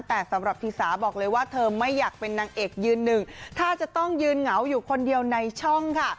แต่สำหรับทีสาบอกเลยว่าเธอไม่อยากเป็นนางเอกยืนหนึ่งถ้าจะต้องยืนเหงาอยู่คนเดียวในช่องค่ะ